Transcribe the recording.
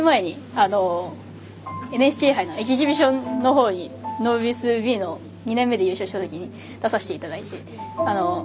一応、９年前にＮＨＫ杯のエキシビジョンの方にノービスＢの２年目で優勝した時に出させていただいて。